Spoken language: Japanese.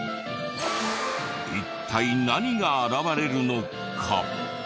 一体何が現れるのか！？